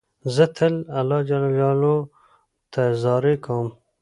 زه تل الله جل جلاله ته زارۍ کوم.